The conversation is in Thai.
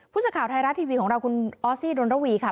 พุทธข่าวไทยรัตน์ทีวีของเราคุณออสซี่ดนตรวีค่ะ